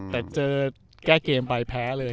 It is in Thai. แต่เจอแก้เกมไปแพ้เลย